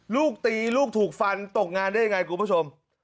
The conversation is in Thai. ลูกตีลูกถูกฟันตกงานได้ยังไงคุณผู้ชม